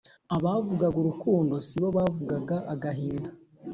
Abavugaga urukundo sibo bavugaga agahinda,